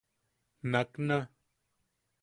Nakna.